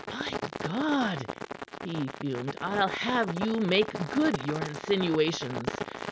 "By God!" he fumed, "I'll have you make good your insinuations.